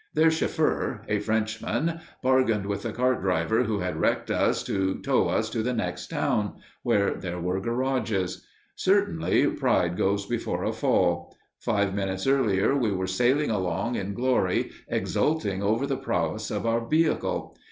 Their chauffeur, a Frenchman, bargained with the cart driver who had wrecked us to tow us to the next town, where there were garages. Certainly, pride goes before a fall. Five minutes earlier we were sailing along in glory, exulting over the prowess of our vehicle.